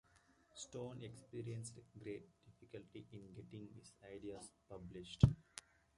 Stone experienced great difficulty in getting his ideas published.